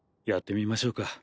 やってみましょうか。